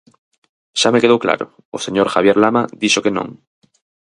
Xa me quedou claro: o señor Javier Lama dixo que non.